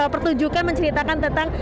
pertunjukan menceritakan tentang